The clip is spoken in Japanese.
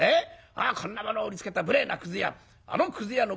こんなものを売りつけた無礼なくず屋あのくず屋の